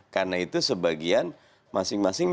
karena itu sebagian masing masing